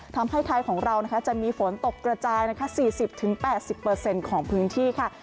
ทำให้ไทยของเราจะมีฝนตกกระจาย๔๐๘๐ของพื้นที่ค่ะ